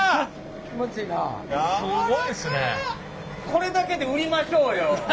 これだけで売りましょうよ。